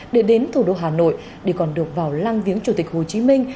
để đến thủ đô hà nội để còn được vào lăng viếng chủ tịch hồ chí minh